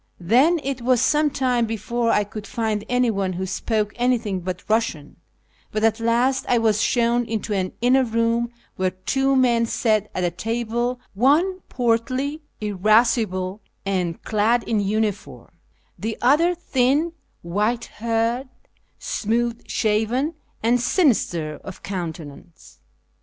Then it was some time before I could find anyone who spoke anything but Eussian ; but at last I was shown into an inner room where two men sat at a table, one portly, irascible, and clad in uniform ; the other thin, white haired, smooth shaven, and sinister of countenance.